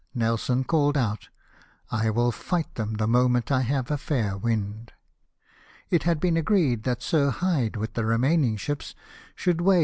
Nelson called out, " I will fight them the moment I have a fair wind." It had been agreed that Sir Hyde, with the remaining ships, should weigh p 226 LIFE OF NELSON.